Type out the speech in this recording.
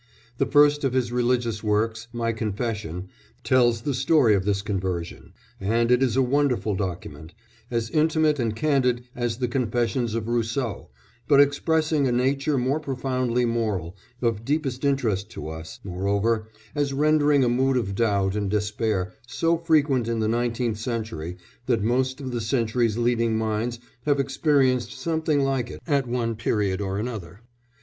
The first of his religious works, My Confession, tells the story of this conversion, and it is a wonderful document as intimate and candid as the confessions of Rousseau, but expressing a nature more profoundly moral, of deepest interest to us, moreover, as rendering a mood of doubt and despair so frequent in the nineteenth century that most of the century's leading minds have experienced something like it at one period or another.